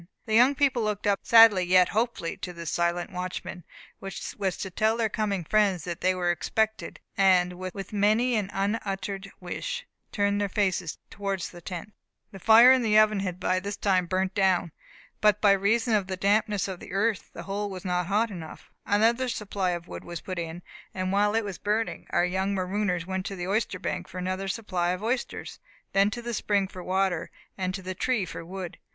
The young people looked up sadly yet hopefully to this silent watchman, which was to tell their coming friends that they were expected; and with many an unuttered wish turned their faces towards the tent. [Illustration: The company went together to the sea shore and planted the signal] The fire in the oven had by this time burnt down, but by reason of the dampness of the earth the hole was not hot enough. Another supply of wood was put in, and while it was burning our young marooners went to the oyster bank for another supply of oysters, then to the spring for water, and to the tree for wood.